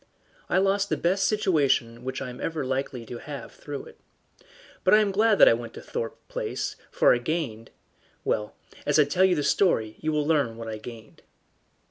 I lost the best situation which I am ever likely to have through it. But I am glad that I went to Thorpe Place, for I gained well, as I tell you the story you will learn what I gained.